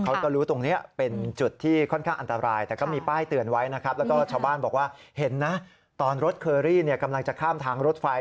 เขาก็รู้ตรงนี้เป็นจุดที่ค่อนข้างอันตรายแต่ก็มีป้ายเตือนไว้นะครับแล้วก็ชาวบ้านบอกว่าเห็นนะตอนรถเคอรี่กำลังจะข้ามทางรถไฟ